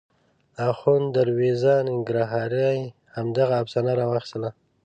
اخوند دروېزه ننګرهاري همدغه افسانه راواخیستله.